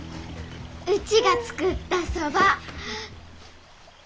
うちが作ったそば。